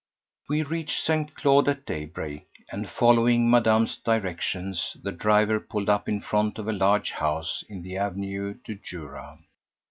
We reached St. Claude at daybreak, and following Madame's directions, the driver pulled up in front of a large house in the Avenue du Jura.